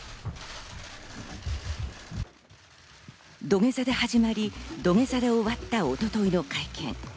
土下座で始まり、土下座で終わった一昨日の会見。